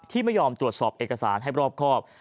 ที่ไม่ยอมตรวจสอบเอกสารให้รอบครอบ